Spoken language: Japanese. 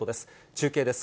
中継です。